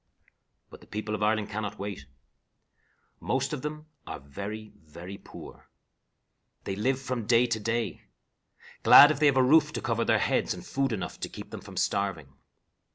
But the people of Ireland cannot wait. Most of them are very, very poor. They live from day to day, glad if they have a roof to cover their heads and food enough to keep them from starving.